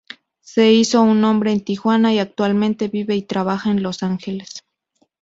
Se hizo un nombre en Tijuana y actualmente vive y trabaja en Los Ángeles.